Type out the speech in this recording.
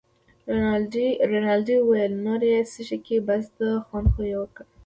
رینالډي وویل: نور یې څښې که بس ده، خوند خو یې وکړ.